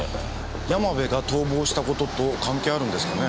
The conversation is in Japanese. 山部が逃亡したことと関係あるんですかね。